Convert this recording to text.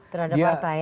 terhadap partai ya